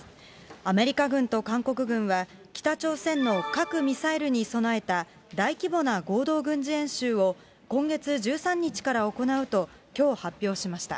アメリカ軍と韓国軍は、北朝鮮の核・ミサイルに備えた大規模な合同軍事演習を、今月１３日から行うときょう発表しました。